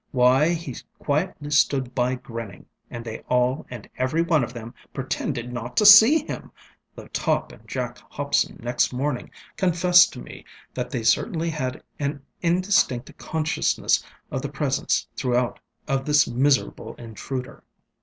Why, he quietly stood by grinning, and they all and every one of them pretended not to see him, though Topp and Jack Hobson next morning confessed to me that they certainly had an indistinct consciousness of the presence throughout of this miserable intruder.